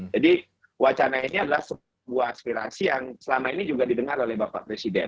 jadi wacana ini adalah sebuah aspirasi yang selama ini juga didengar oleh bapak presiden